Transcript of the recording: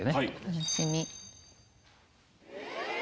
楽しみ。